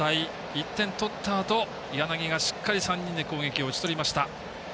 １点取ったあと柳がしっかり３人で攻撃を打ち取りました。